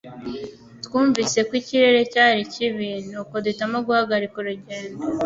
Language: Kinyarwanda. Twumvise ko ikirere cyari kibi, nuko duhitamo guhagarika urugendo